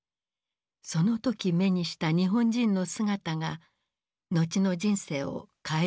その時目にした日本人の姿が後の人生を変えることになる。